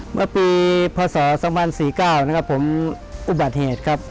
เมื่อปีพศ๒๔๙นะครับผมอุบัติเหตุครับ